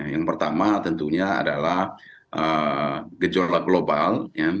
yang pertama tentunya adalah gejolak global